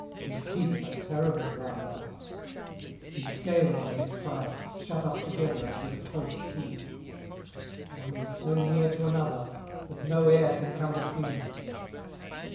his teeth are terrible round about. 18:041:015 His scales are his pride, shut up together as with a close seal. 18:041:016 One is so near to another, that no air can come between them.